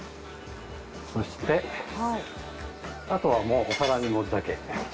そしてあとはもうお皿に盛るだけ。